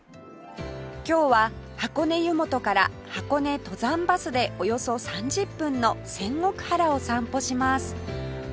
今日は箱根湯本から箱根登山バスでおよそ３０分の仙石原を散歩します